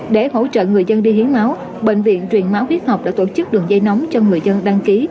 để hỗ trợ người dân đi hiến máu bệnh viện truyền máu huyết học đã tổ chức đường dây nóng cho người dân đăng ký